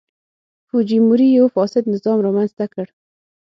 فوجیموري یو فاسد نظام رامنځته کړ.